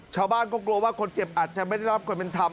ชาวบ้านก็กลัวว่าคนเจ็บอาจจะไม่ได้รับความเป็นธรรม